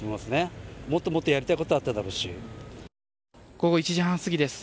午後１時半すぎです。